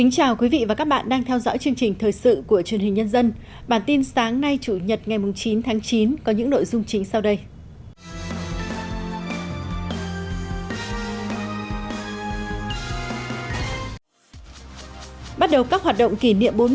chào mừng quý vị đến với bản tin sáng nay chủ nhật ngày chín tháng chín có những nội dung chính sau đây